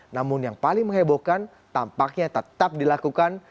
namun yang paling menghebohkan tampaknya tetap dilakukan